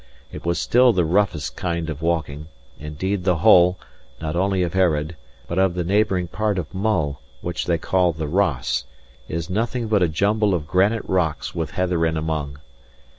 It was still the roughest kind of walking; indeed the whole, not only of Earraid, but of the neighbouring part of Mull (which they call the Ross) is nothing but a jumble of granite rocks with heather in among.